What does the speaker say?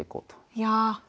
いや。